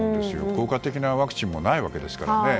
効果的なワクチンもないわけですからね。